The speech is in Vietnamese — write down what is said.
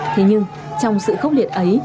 thế nhưng trong sự khốc liệt ấy